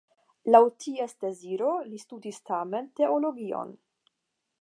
Laŭ ties deziro li studis tamen teologion.